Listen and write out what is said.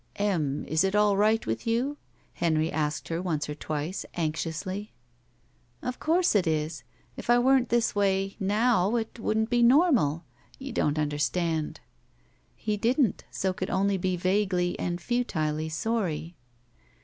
*'Em, is it all right with you?" Henry asked her once or twice, anxiously. "Of course it is! If I weren't this way — ^now — ^it wouldn't be natiu^. You don't understand." He didn't, so could only be vaguely and futilely sorry.